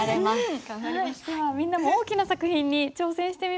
ではみんなも大きな作品に挑戦してみましょう。